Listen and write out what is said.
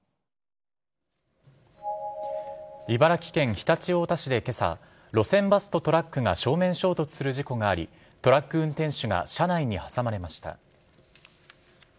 茨城県常陸太田市で今朝路線バスとトラックが正面衝突する事故がありトラック運転手が車内に挟まれました。